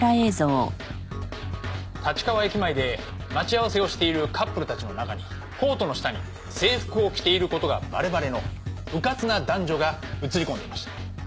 立川駅前で待ち合わせをしているカップルたちの中にコートの下に制服を着ている事がバレバレのうかつな男女が映り込んでいました。